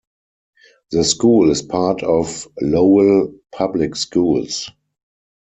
The school is a part of Lowell Public Schools.